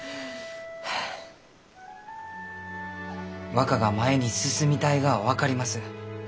若が前に進みたいがは分かります。